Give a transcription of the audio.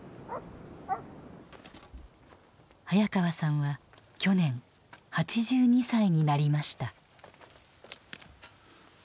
早川さんは去年８２歳になりました。